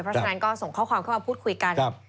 เพราะฉะนั้นก็ส่งข้อความเข้ามาพูดคุยกัน